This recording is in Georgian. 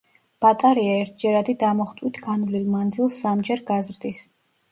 ბატარეა ერთჯერადი დამუხტვით განვლილ მანძილს სამჯერ გაზრდის.